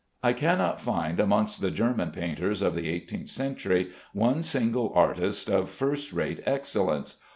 I cannot find amongst the German painters of the eighteen century one single artist of first rate excellence.